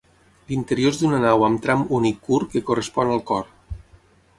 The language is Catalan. L'interior és d'una nau amb tram únic curt que correspon al cor.